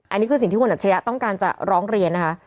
อันนี้คือสิ่งที่คุณอัจฉริยะต้องการจะร้องเรียนนะคะ